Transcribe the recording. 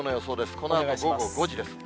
このあと午後５時です。